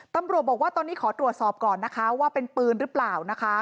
ตำรวจบอกว่าตอนนี้ขอตรวจสอบก่อนนะคะว่าเป็นปืนหรือเปล่านะคะ